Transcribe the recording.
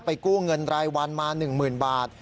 กู้เงินรายวันมา๑๐๐๐บาท